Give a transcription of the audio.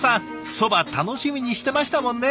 そば楽しみにしてましたもんね。